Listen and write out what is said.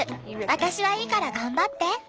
私はいいから頑張って。